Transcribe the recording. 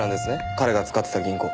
彼が使ってた銀行。